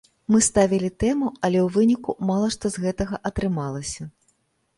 Мы ставілі тэму, але ў выніку мала што з гэтага атрымалася.